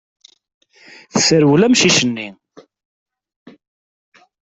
Tesserwel amcic-nni.